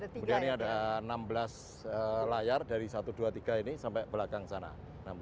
kemudian ini ada enam belas layar dari satu dua tiga ini sampai belakang sana enam belas layar